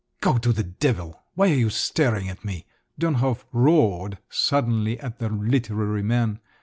"Go to the devil! Why are you staring at me?" Dönhof roared suddenly at the literary man.